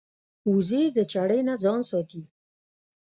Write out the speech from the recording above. وزې د چړې نه ځان ساتي